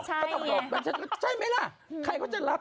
ใช่ไหมล่ะใครเขาจะรับ